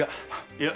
いや。